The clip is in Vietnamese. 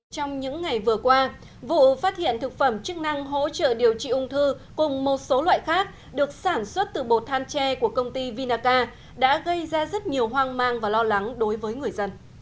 trong những ngày vừa qua vụ phát hiện thực phẩm chức năng hỗ trợ điều trị ung thư cùng một số loại khác được sản xuất từ bột than tre của công ty vinaca đã gây ra rất nhiều hoang mang và lo lắng đối với người dân